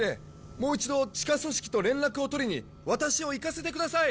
もう一度地下組織と連絡を取りにワタシを行かせてください！